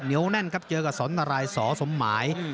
เหนียวแน่นครับเจอกับสนทรายสอสมหมาย